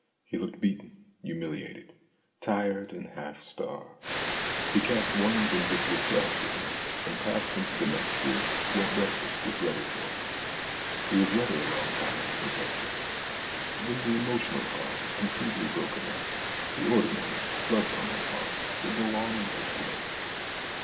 He looked beaten, humiliated, tired, and half starved. He cast one vindictive glance at me, and passed into the next room, where breakfast was ready for him. He was rather a long time over breakfast. When the emotional heart is completely broken up, the ordinary blood pumping heart will still go on with its work.